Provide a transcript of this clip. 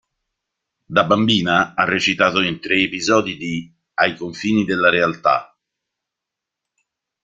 Da bambina ha recitato in tre episodi di "Ai confini della realtà".